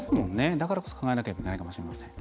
だからこそ、考えなきゃいけないのかもしれません。